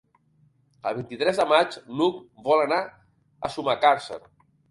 El vint-i-tres de maig n'Hug vol anar a Sumacàrcer.